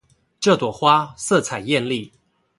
這朵花色彩豔麗